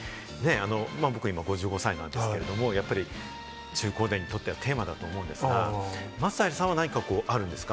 今、私５５歳なんですけど、中高年にとってはテーマだと思うんですが、松平さんは何かあるんですか？